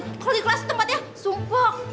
kalau di kelas tempatnya sumpok gak ada angin ya